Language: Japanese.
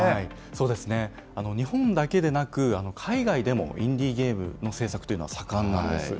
そうですね、日本だけでなく、海外でもインディーゲームの制作というのは盛んなんです。